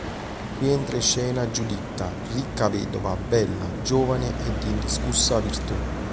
Qui entra in scena Giuditta, ricca vedova, bella, giovane e di indiscussa virtù.